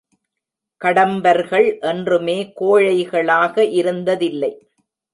கடம்பர்கள் என்றுமே கோழைகளாக இருந்ததில்லை.